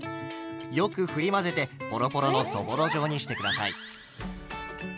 よくふり混ぜてポロポロのそぼろ状にして下さい。